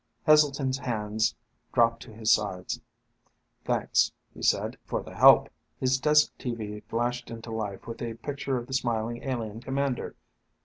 Heselton's hands dropped to his sides. "Thanks," he said, "for the help." His desk tv flashed into life with a picture of the smiling alien commander.